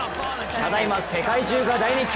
ただいま世界中が大熱狂。